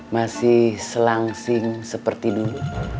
masih selangsing seperti dulu